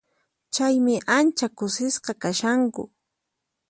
Chaymi ancha kusisqa kashanku.